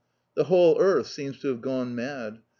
The whole earth seems to have gone mad.